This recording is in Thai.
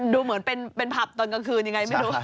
ดูเหมือนเป็นผับตอนกลางคืนยังไงไม่รู้